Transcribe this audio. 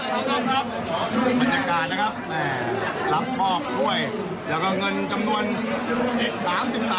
ขอบคุณครับบรรยากาศนะครับแหมรับพ่อถ้วยแล้วก็เงินจำนวนสามสิบน้ำ